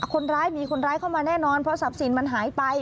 คนร้ายมีคนร้ายเข้ามาแน่นอนเพราะทรัพย์สินมันหายไป